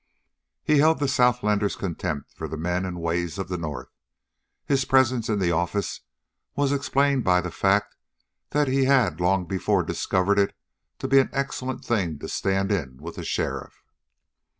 He held the southlander's contempt for the men and ways of the north. His presence in the office was explained by the fact that he had long before discovered it to be an excellent thing to stand in with the sheriff.